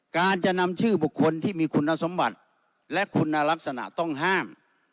การจะนำชื่อบุคคลที่มีคุณสมบัติและคุณลักษณะต้องห้าม